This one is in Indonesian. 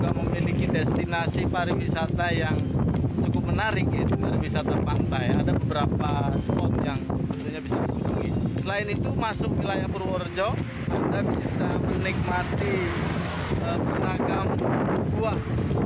anda bisa menikmati penagam buah